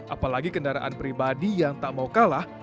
apalagi kendaraan pribadi yang tak mau kalah